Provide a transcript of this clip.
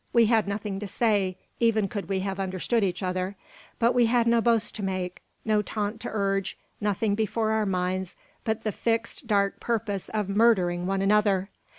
We had nothing to say, even could we have understood each other. But we had no boast to make, no taunt to urge, nothing before our minds but the fixed dark purpose of murdering one another!